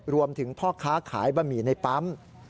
รวมถึงพ่อค้าขายบะหมี่ในปั๊ม